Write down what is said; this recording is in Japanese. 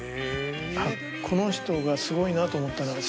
あっこの人がすごいなと思ったのは。